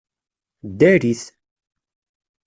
Ddarit!